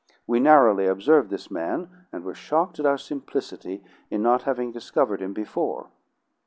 We narrowly observed this man, and were shocked at our simplicity in not having discovered him before.